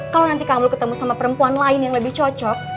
kalau nanti kamu ketemu sama perempuan lain yang lebih cocok